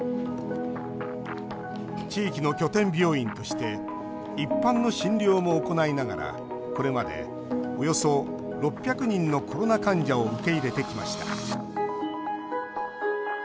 地域の拠点病院として一般の診療も行いながらこれまで、およそ６００人のコロナ患者を受け入れてきました。